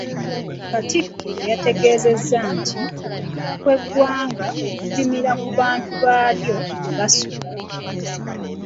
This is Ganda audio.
Katikkiro yategeezezza nti, ‘Okukula kw'eggwanga okupimira ku bantu baalyo bwe basula.